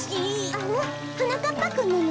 あらはなかっぱくんなの？